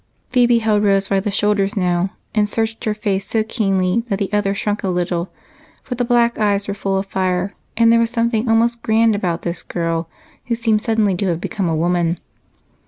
Phebe held Rose by the shoulders now and searched her face so keenly that the other shrank a little, for the black eyes were full of fire and there was something almost grand about this girl who seemed suddenly to have become a woman.